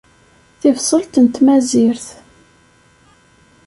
Tibṣelt n tmazirt.